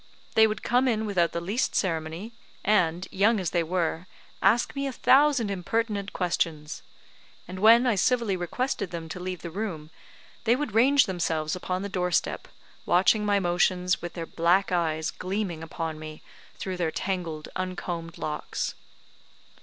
They would come in without the least ceremony, and, young as they were, ask me a thousand impertinent questions; and when I civilly requested them to leave the room, they would range themselves upon the door step, watching my motions, with their black eyes gleaming upon me through their tangled, uncombed locks.